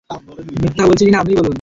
মিথ্যা বলছি কিনা আপনিই বলুন।